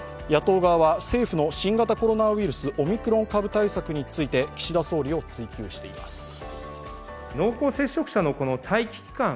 野党側は政府の新型コロナウイルス・オミクロン株対策について岸田総理を追及しています。